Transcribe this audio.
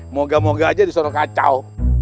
moga moga aja disuruh kacau